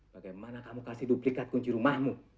bagaimana kamu kasih duplikat kunci rumahmu